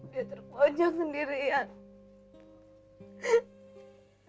dia terpojok sendirian